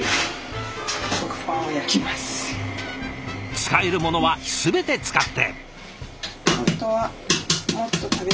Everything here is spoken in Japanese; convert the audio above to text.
使えるものは全て使って！